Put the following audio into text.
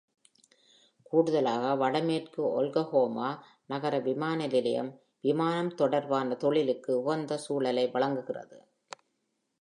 கூடுதலாக, வடமேற்கு Oklahoma நகர விமான நிலையம், விமானம் தொடர்பான தொழிலுக்கு உகந்த சூழலை வழங்குகிறது.